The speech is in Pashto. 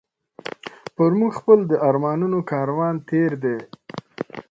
پر موږ خپل د ارمانونو کاروان تېر دی